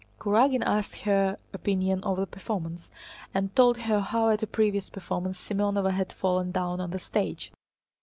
Kurágin asked her opinion of the performance and told her how at a previous performance Semënova had fallen down on the stage.